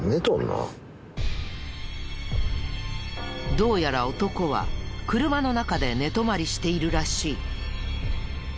どうやら男は車の中で寝泊まりしているらしい。